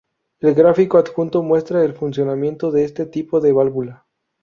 El gráfico adjunto muestra el funcionamiento de este tipo de válvula.